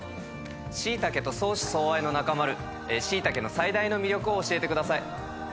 しいたけと相思相愛の中丸、しいたけの最大の魅力を教えてください。